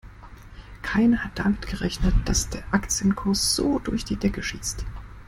Keiner hat damit gerechnet, dass der Aktienkurs so durch die Decke schießt.